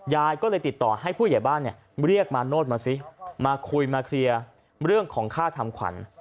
ยายก็เลยติดต่อให้ผู้ใหญ่บ้านเรียกมาโนธมาสิมาคุยมาเคลียร์เรื่องของค่าทำขวัญ